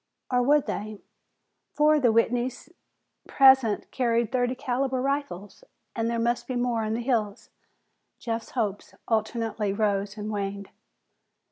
Or would they? Four of the Whitneys present carried thirty caliber rifles and there must be more in the hills. Jeff's hopes alternately rose and waned.